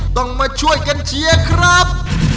ต้องมาช่วยกันเชียร์ครับ